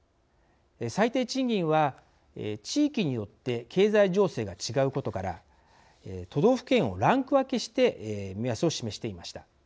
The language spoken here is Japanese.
最低賃金は地域によって経済情勢が違うことから都道府県をランク分けして目安を示していました。